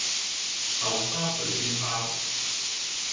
豆沙水晶包